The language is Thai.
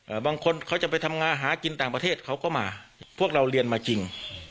บางคนเขาจะไปทำงานหากินต่างประเทศเขาก็มาพวกเราเรียนมาจริง